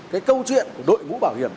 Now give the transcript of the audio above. cái câu chuyện của đội ngũ bảo hiểm